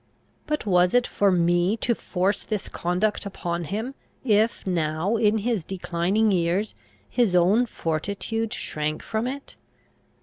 But was it for me to force this conduct upon him, if, now in his declining years, his own fortitude shrank from it?